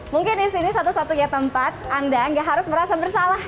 mungkin di sini satu satunya tempat anda nggak harus merasa bersalah